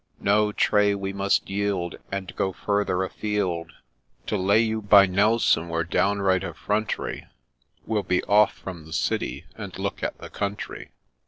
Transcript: No, Tray, we must yield, And go further a field ; To lay you by Nelson were downright effront'ry ;— We'll be off from the City, and look at the country.